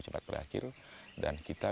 cepat berakhir dan kita